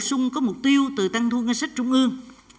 sung có mục tiêu từ tăng thu ngân sách trung ương